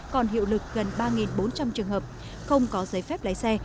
còn hiệu lực gần ba bốn trăm linh trường hợp không có giấy phép lái xe